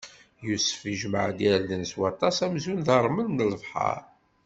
Yusef ijemɛ-d irden s waṭas, amzun d ṛṛmel n lebḥeṛ.